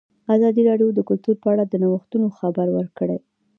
ازادي راډیو د کلتور په اړه د نوښتونو خبر ورکړی.